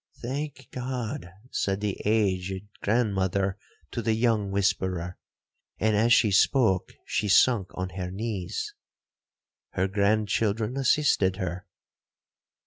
—'Thank God,' said the aged grandmother to the young whisperer, and as she spoke, she sunk on her knees. Her grandchildren assisted her.